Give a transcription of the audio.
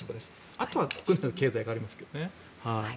あとは国内の経済がありますけどね。